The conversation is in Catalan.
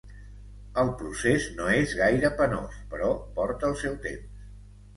El procés no és gaire penós, però porta el seu temps.